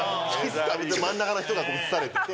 真ん中の人が映されてて。